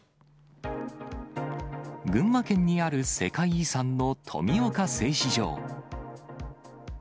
群馬県にある世界遺産の富岡製糸場。